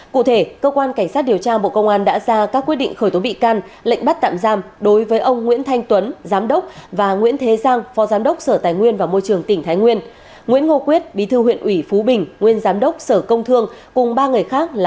cụ thể cơ quan cảnh sát điều tra bộ công an đã ra các quyết định khởi tố bị can lệnh bắt tạm giam đối với ông nguyễn thanh tuấn giám đốc và nguyễn thế giang phó giám đốc và nguyễn thế giang phó giám đốc và nguyễn thế giang